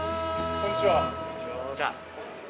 こんにちは。